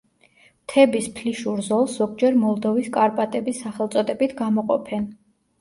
მთების ფლიშურ ზოლს ზოგჯერ მოლდოვის კარპატების სახელწოდებით გამოყოფენ.